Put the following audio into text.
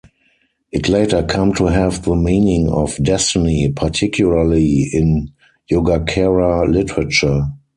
It later came to have the meaning of "destiny", particularly in Yogacara literature.